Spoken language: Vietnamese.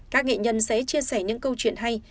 các nghệ nhân sẽ chia sẻ những câu chuyện hay